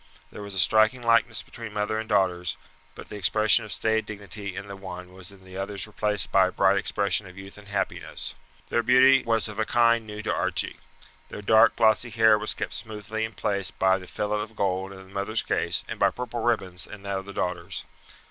There was a striking likeness between mother and daughters; but the expression of staid dignity in the one was in the others replaced by a bright expression of youth and happiness. Their beauty was of a kind new to Archie. Their dark glossy hair was kept smoothly in place by the fillet of gold in the mother's case, and by purple ribbons in that of the daughters.